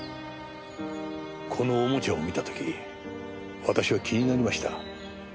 この玩具を見た時私は気になりました。